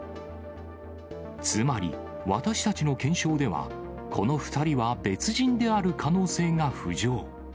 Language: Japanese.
つまり、私たちの検証では、この２人は別人である可能性が浮上。